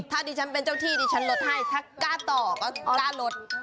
ถ้าดิฉันเป็นเจ้าที่ดิฉันลดให้ถ้ากล้าต่อก็กล้าลด